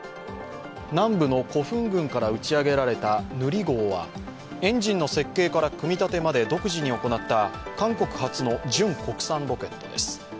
南部のコフン郡から打ち上げられたヌリ号はエンジンの設計から組み立てまで独自に行った韓国初の純国産ロケットです。